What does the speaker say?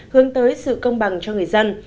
hướng tới sự công bằng cho người dân